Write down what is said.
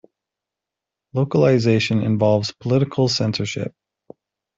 Localization involves political censorship.